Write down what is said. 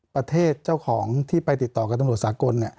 ประเทศเจ้าของที่ไปติดต่อกับตำรวจสากล